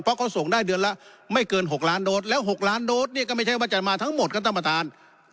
เพราะเขาส่งได้เดือนละไม่เกิน๖ล้านโดสแล้ว๖ล้านโดสเนี่ยก็ไม่ใช่ว่าจะมาทั้งหมดครับท่านประธาน